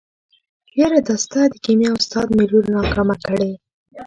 يره دا ستا د کيميا استاد مې لور ناکامه کړې.